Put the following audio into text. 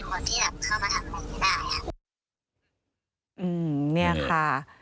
อืมนี่ค่ะ